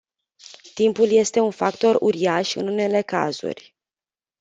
Timpul este un factor uriaș în unele cazuri.